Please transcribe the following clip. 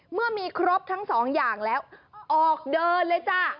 เมื่อมีครบทั้งสองอย่างแล้วออกเดินเลยจ้ะ